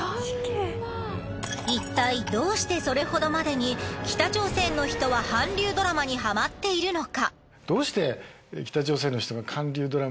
いったいどうしてそれほどまでに北朝鮮の人は韓流ドラマにハマっているのか？